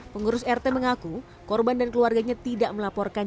pengurus rt mengaku korban dan keluarganya tidak melaporkan